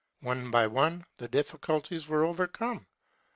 '' One by one the difficulties were overcome.